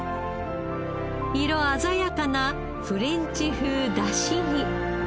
色鮮やかなフレンチ風だしに。